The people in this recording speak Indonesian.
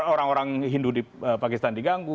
orang orang hindu di pakistan diganggu